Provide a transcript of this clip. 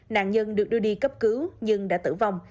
nạn nhân được đưa đi cấp cứu nhưng đã tử vong